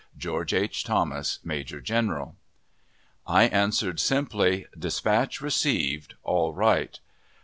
George H. THOMAS, Major General. I answered simply: "Dispatch received all right."